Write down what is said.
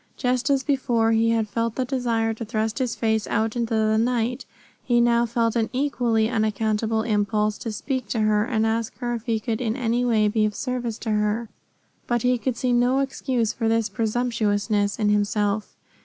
Just as before he had felt the desire to thrust his face out into the night, he felt now an equally unaccountable impulse to speak to her and ask her if he could in any way be of service to her. But he could see no excuse for this presumptuousness in himself.